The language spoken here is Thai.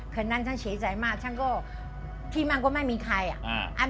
คืนนั้นฉันเสียใจมากฉันก็พี่มั่งก็ไม่มีใครอ่ะ